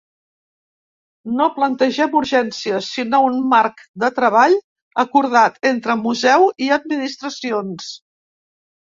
No plantegem urgències, sinó un marc de treball acordat entre museu i administracions.